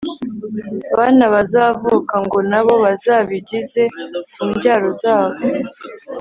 bana bazavuka, ngo na bo bazabigeze ku mbyaro zabo